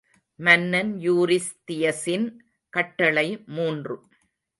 மன்னன் யூரிஸ்தியஸின் கட்டளை மூன்று.